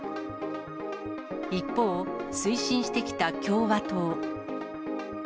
一方、推進してきた共和党。